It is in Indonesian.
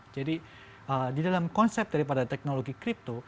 di dalam konsep daripada teknologi crypto